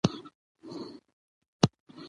او څرنګه چې دى پخپله خان و او خاني